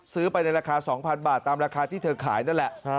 ซื้อไปในราคา๒๐๐๐บาทตามราคาที่เธอขายนั่นแหละ